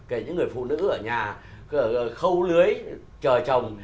kể những người phụ nữ ở nhà khâu lưới chờ trồng